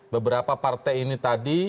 beberapa partai ini tadi